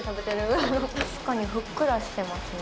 確かにふっくらしてますね。